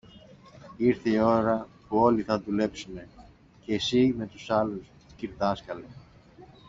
Ήρθε η ώρα όπου όλοι θα δουλέψουμε, και συ με τους άλλους, κυρδάσκαλε.